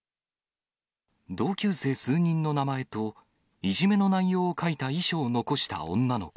同級生数人の名前と、いじめの内容を書いた遺書を残した女の子。